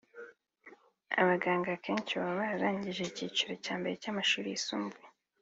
Abangaba akenshi baba bararangije icyiciro cya mbere cy’amashuri yisumbuye